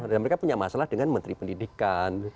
dan mereka punya masalah dengan menteri pendidikan